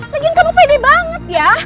lagian kamu pede banget ya